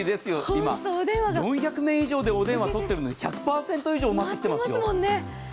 今、４００名以上でお電話をとってるのに１００％以上お待ちしてますよ。